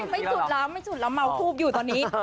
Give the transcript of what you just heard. ไม่จุดแล้วไม่จุดแล้วเมาทูบอยู่ตอนนี้